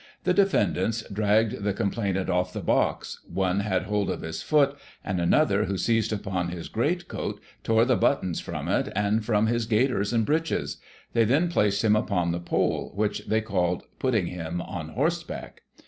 The defendants dragged the com plainant off the box ; one had hold of his foot, and another, who seized upon his greatcoat, tore the buttons from it, and from his gaiters and breeches. They then placed him upon the pole, which they called " putting him on horseback."